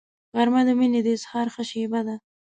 غرمه د مینې د اظهار ښه شیبه ده